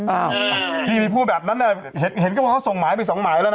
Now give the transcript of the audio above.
อ้าวพี่ไปพูดแบบนั้นเห็นก็ว่าเขาส่งหมายไปสองหมายแล้วนะ